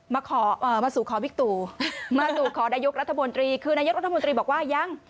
มาสู่ขอบิ๊กตูมาสู่ขอนายกรัฐมนตรีคือนายกรัฐมนตรีบอกว่ายัง